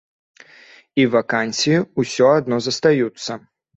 І вакансіі ўсё адно застаюцца!